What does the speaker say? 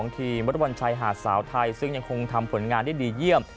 ทีมวอเล็กบอลชายหาดสาวไทยซึ่งยังคงทำผลงานได้ดีเยี่ยม